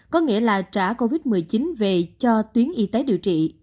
có nghĩa là trả covid một mươi chín về cho tuyến y tế điều trị